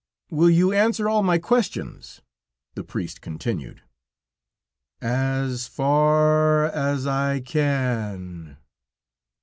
"Will you answer all my questions?" the priest continued. "As far as I can."